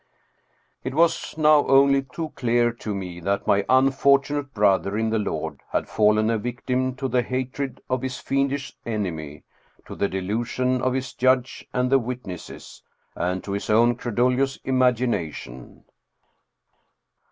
It was now only too clear to me that my unfortunate brother in the Lord had fallen a victim to the hatred of his fiendish enemy, to the delusion of his judge and the witnesses, and to his own credulous imagination.